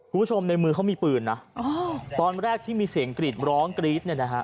คุณผู้ชมในมือเขามีปืนนะตอนแรกที่มีเสียงกรีดร้องกรี๊ดเนี่ยนะฮะ